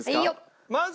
まず。